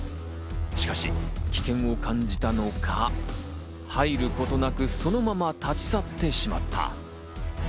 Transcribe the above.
しかし、危険を感じたのか、入ることなく、そのまま立ち去ってしまった。